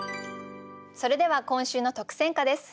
それでは今週の特選歌です。